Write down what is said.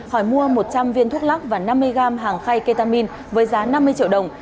hỏi mua một trăm linh viên thuốc lắc và năm mươi gram hàng khay ketamin với giá năm mươi triệu đồng